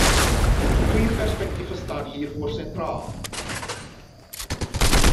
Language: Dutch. Twee perspectieven staan hiervoor centraal.